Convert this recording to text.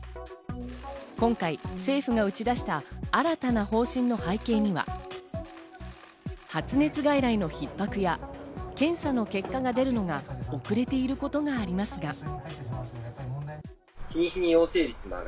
今回、政府が打ち出した新たな方針の背景には、発熱外来の逼迫や検査の結果が出るのが遅れていることがありますが。